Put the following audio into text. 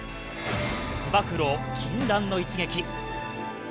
つば九郎、禁断の一撃。